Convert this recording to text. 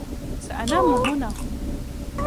سأنام هنا.